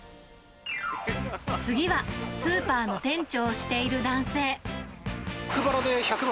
次は、スーパーの店長をしている男性。